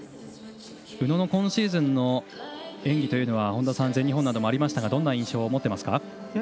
宇野の今シーズンの演技は本田さん全日本などもありましたがどんな印象を持っていますか？